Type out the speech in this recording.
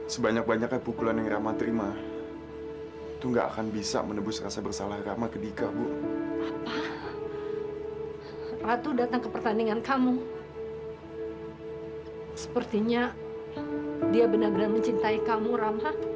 sepertinya dia benar benar mencintai kamu rama